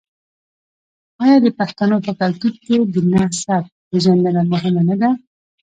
آیا د پښتنو په کلتور کې د نسب پیژندنه مهمه نه ده؟